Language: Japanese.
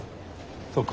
そうか。